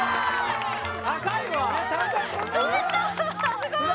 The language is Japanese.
すごい！